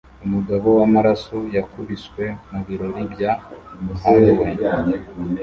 Umugabo wamaraso yakubiswe mubirori bya halloween